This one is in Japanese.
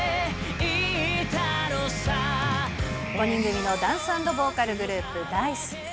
５人組のダンス＆ボーカルグループ、ダイス。